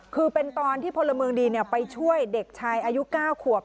คือเป็นตอนที่พลเมืองดีไปช่วยเด็กชายอายุ๙ขวบ